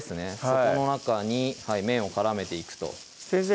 そこの中に麺を絡めていくと先生